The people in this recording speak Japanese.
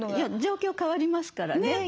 状況変わりますからね。